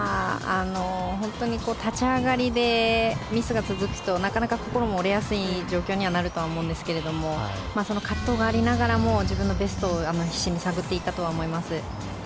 本当に立ち上がりでミスが続くとなかなか心も折れやすい状況になると思うんですがその葛藤がありながらも自分のベストを必死に探っていったと思います。